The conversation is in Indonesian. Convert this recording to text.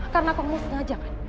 karena kamu sengaja kan